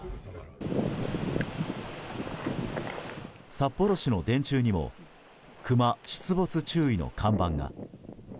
札幌市の電柱にも「熊、出没注意」の看板が。